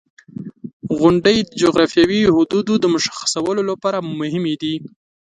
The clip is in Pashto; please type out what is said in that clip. • غونډۍ د جغرافیوي حدودو د مشخصولو لپاره مهمې دي.